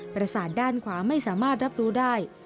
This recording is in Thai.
ประสาทด้านขวาไม่สามารถรับรู้ได้